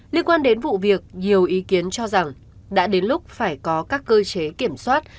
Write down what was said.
liên quan đến vụ việc nhiều ý kiến cho rằng đã đến lúc phải có các cơ chế kiểm soát